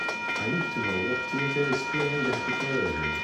I need to know what theatre is playing A Happy Coersion